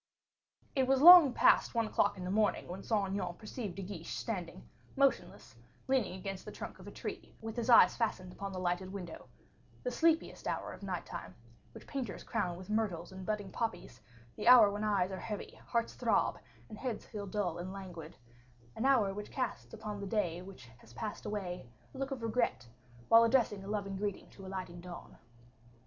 It was long past one o'clock in the morning when Saint Aignan perceived De Guiche, standing, motionless, leaning against the trunk of a tree, with his eyes fastened upon the lighted window, the sleepiest hour of night time, which painters crown with myrtles and budding poppies, the hour when eyes are heavy, hearts throb, and heads feel dull and languid an hour which casts upon the day which has passed away a look of regret, while addressing a loving greeting to the dawning light.